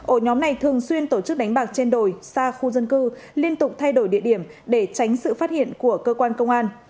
ổ nhóm này thường xuyên tổ chức đánh bạc trên đồi xa khu dân cư liên tục thay đổi địa điểm để tránh sự phát hiện của cơ quan công an